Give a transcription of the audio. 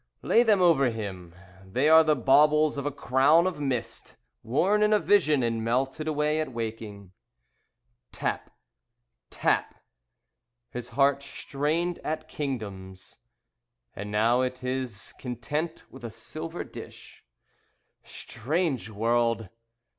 Lay them over him, They are the baubles of a crown of mist Worn in a vision and melted away at waking. Tap! Tap! His heart strained at kingdoms And now it is content with a silver dish. Strange World!